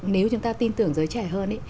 nếu chúng ta tin tưởng giới trẻ hơn ấy